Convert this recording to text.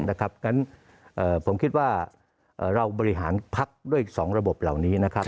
เพราะฉะนั้นผมคิดว่าเราบริหารพักด้วย๒ระบบเหล่านี้นะครับ